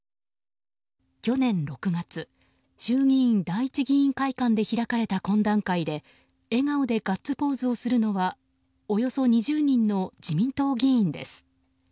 去年６月、衆議院第一議員会館で開かれた懇談会で笑顔でガッツポーズをするのはおよそ２０人の自民党議員です。